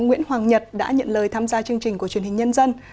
nguyễn hoàng nhật đã nhận lời tham gia chương trình của truyền hình nhân dân